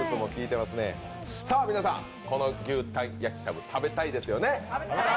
さあ、皆さんこの牛タン焼きしゃぶ食べたいですよね？